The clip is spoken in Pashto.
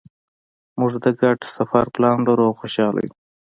مونږ د ګډ سفر پلان لرو او خوشحاله یو